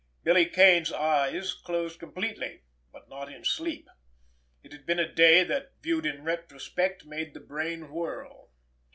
Billy Kane's eyes closed completely—but not in sleep. It had been a day that, viewed in retrospect, made the brain whirl.